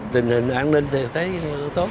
tình hình an ninh thì thấy tốt